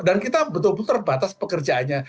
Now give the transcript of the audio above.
dan kita betul betul terbatas pekerjaannya